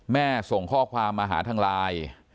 ส่งข้อความมาหาทางไลน์